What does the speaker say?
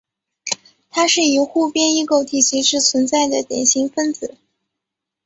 它是以互变异构体形式存在的典型分子。